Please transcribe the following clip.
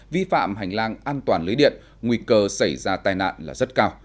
vi phạm hành lang an toàn lưới điện nguy cơ xảy ra tai nạn là rất cao